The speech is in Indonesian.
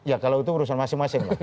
ya kalau itu urusan masing masing ya